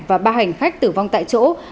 và ba hành khách tử vong tại chỗ